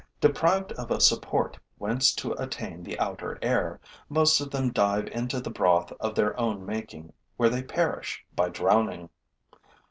Deprived of a support whence to attain the outer air, most of them dive into the broth of their own making, where they perish by drowning.